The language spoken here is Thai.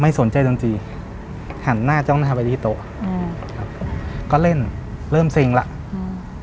สนใจดนตรีหันหน้าจ้องหน้าไปที่โต๊ะอืมครับก็เล่นเริ่มเซ็งแล้วอืม